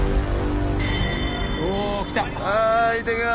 はい行ってきます！